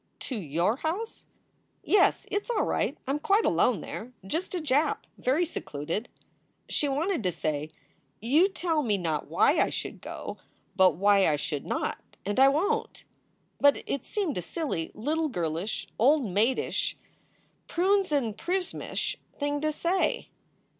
"To your house?" "Yes. It s all right. I m quite alone there. Just a Jap. Very secluded." She wanted to say: "You tell me not why I should go, but why I should not. And I won t." But it seemed a silly little girlish, old maidish, prunes and prismish thing to say.